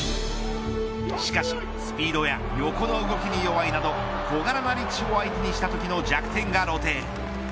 しかし、スピードや横の動きに弱いなど小柄な力士を相手にしたときの弱点が露呈。